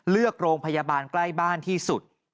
เลือกโรงพยาบาลใกล้บ้านที่สุด